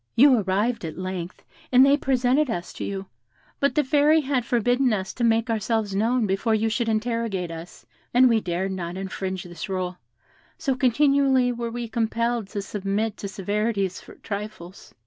You arrived at length, and they presented us to you; but the Fairy had forbidden us to make ourselves known before you should interrogate us, and we dared not infringe this rule, so continually were we compelled to submit to severities for trifles.